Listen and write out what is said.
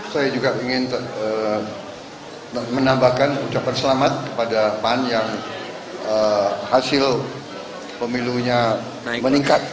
saya juga ingin menambahkan ucapan selamat kepada pan yang hasil pemilunya meningkat